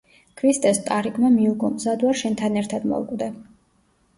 ქრისტეს ტარიგმა მიუგო: „მზად ვარ შენთან ერთად მოვკვდე“.